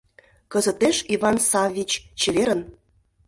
Кызытеш, Иван Саввич, чеверын.